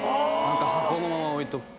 箱のまま置いとく。